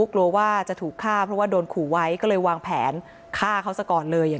กลัวว่าจะถูกฆ่าเพราะว่าโดนขู่ไว้ก็เลยวางแผนฆ่าเขาซะก่อนเลย